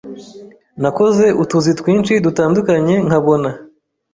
nakoze utuzi twinshi dutandukanye nkabona